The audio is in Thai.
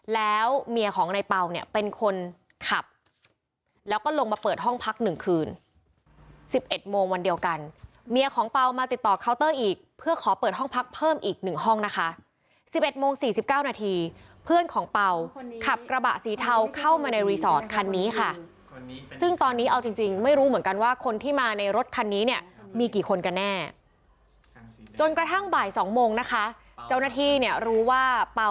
แล้วเมียของในเปล่าเนี่ยเป็นคนขับแล้วก็ลงมาเปิดห้องพัก๑คืน๑๑โมงวันเดียวกันเมียของเปล่ามาติดต่อเคาน์เตอร์อีกเพื่อขอเปิดห้องพักเพิ่มอีก๑ห้องนะคะ๑๑โมง๔๙นาทีเพื่อนของเปล่าขับกระบะสีเทาเข้ามาในรีสอร์ทคันนี้ค่ะซึ่งตอนนี้เอาจริงไม่รู้เหมือนกันว่าคนที่มาในรถคันนี้เนี่ยมีกี่คนกันแน